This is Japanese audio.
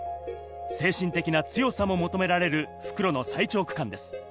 精神的な強さも求められる復路の最長区間です。